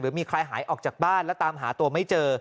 มีใครหายออกจากบ้านแล้วตามหาตัวไม่เจอ